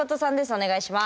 お願いします。